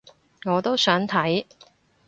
我都想睇